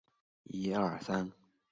以创作山水画为主。